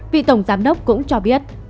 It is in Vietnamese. vị tổng giám đốc cũng cho biết